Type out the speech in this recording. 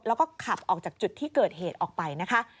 แล้วก็ขับออกจากจุดที่เกิดเหตุออกไปนะคะ